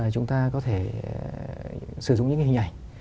chúng ta có thể sử dụng những hình ảnh